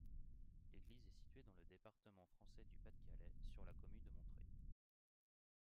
L'église est située dans le département français du Pas-de-Calais, sur la commune de Montreuil.